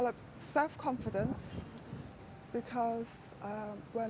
untuk membangun kepercayaan